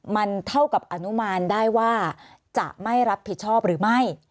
มันเท่ากับอนุมานได้ว่าจะไม่รับผิดชอบหรือไม่